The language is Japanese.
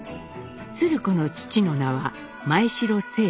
鶴子の父の名は前城正鐘。